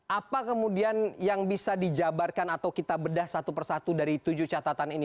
apa kemudian yang bisa dijabarkan atau kita bedah satu persatu dari tujuh catatan ini